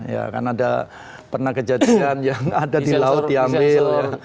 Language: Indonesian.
ya kan ada pernah kejadian yang ada di laut diambil